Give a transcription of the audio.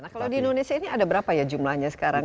nah kalau di indonesia ini ada berapa ya jumlahnya sekarang